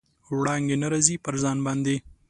وړانګې نه راځي، پر ځان باندې